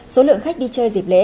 số lượng khách đi chơi dịp lễ